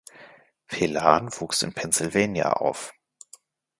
Phelan wuchs in Pennsylvania auf.